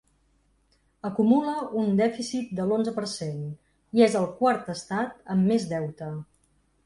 Acumula un dèficit de l’onze per cent, i és el quart estat amb més deute.